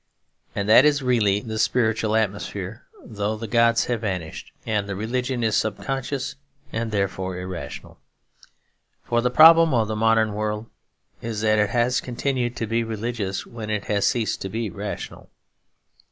And that is really the spiritual atmosphere though the gods have vanished; and the religion is subconscious and therefore irrational. For the problem of the modern world is that it has continued to be religious when it has ceased to be rational.